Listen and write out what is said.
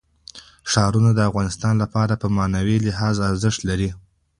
ښارونه د افغانانو لپاره په معنوي لحاظ ارزښت لري.